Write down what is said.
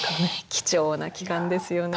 貴重な期間ですよね。